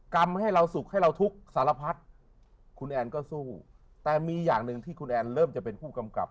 กรรมให้เราสุขให้เราทุกข์สารพัดคุณแอนก็สู้แต่มีอย่างหนึ่งที่คุณแอนเริ่มจะเป็นผู้กำกับ